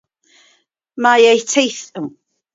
Mae eu teithio di-baid wedi ennill dilyniant cwlt iddynt.